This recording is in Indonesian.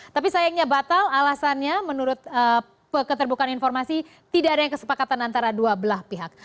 tapi sayangnya batal alasannya menurut keterbukaan informasi tidak ada yang kesepakatan antara dua belah pihak